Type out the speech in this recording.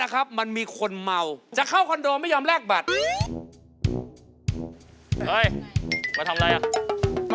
คุณจะเข้าคอนโดจากคุณใหม่